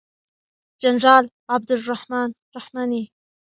جنرال عبدالرحمن رحماني